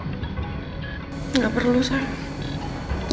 gak perlu sayang